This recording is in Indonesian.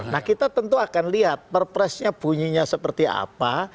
nah kita tentu akan lihat perpresnya bunyinya seperti apa